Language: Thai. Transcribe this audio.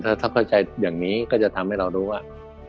ถ้าเข้าใจอย่างนี้ก็จะทำให้เรารู้ว่า